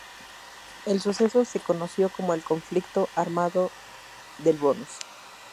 El suceso se conoció como el Conflicto Armado del Bonus.